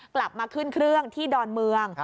กลับมาขึ้นเครื่องที่ดอนเมือง